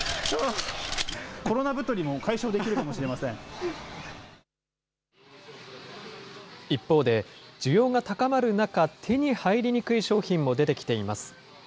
コロナ太りも解消できるかもしれ一方で、需要が高まる中、手に入りにくい商品も出てきています。